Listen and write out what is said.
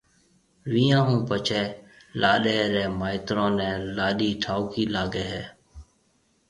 ويهان هون پڇيَ لاڏيَ ري مائيترو نَي لاڏيِ ٺائوڪِي لاگي هيَ۔